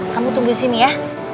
kamu tunggu disini ya